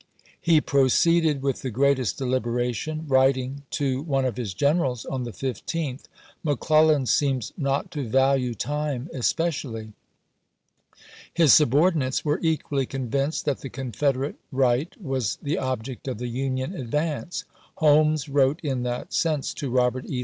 He pro ceeded with the greatest deliberation, writing to one of his generals on the 15th, " McClellan seems not to value time especially." His subordinates were equally convinced that the Confederate right was the object of the Union advance; Holmes wrote in that sense to Robert E.